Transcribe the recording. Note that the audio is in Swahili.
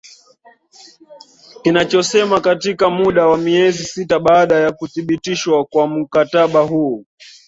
kinachosema Katika muda wa miezi sita baada ya kuthibitishwa kwa mkataba huu